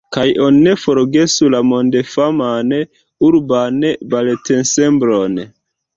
Kaj oni ne forgesu la mondfaman urban baletensemblon.